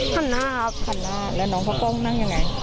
หันหน้าครับหันหน้าแล้วน้องข้าวกล้องนั่งยังไง